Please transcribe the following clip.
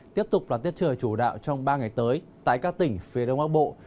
tiếp tục là tiết trời chủ đạo trong ba ngày tới tại các tỉnh phía đông bắc bộ